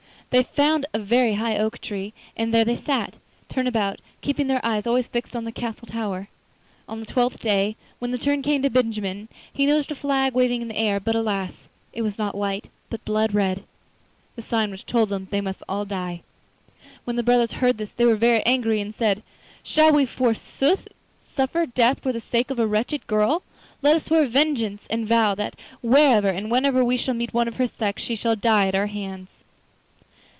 They found a very high oak tree, and there they sat, turn about, keeping their eyes always fixed on the castle tower. On the twelfth day, when the turn came to Benjamin, he noticed a flag waving in the air, but alas! it was not white, but blood red, the sign which told them they must all die. When the brothers heard this they were very angry, and said: 'Shall we forsooth suffer death for the sake of a wretched girl? Let us swear vengeance, and vow that wherever and whenever we shall meet one of her sex, she shall die at our hands.